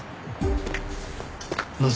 なぜ？